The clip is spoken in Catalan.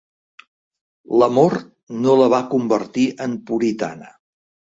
L'amor no la va convertir en puritana.